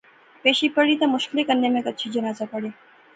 پیشی پڑھی تے مشکلیں کنے میں گچھی جنازہ پڑھیا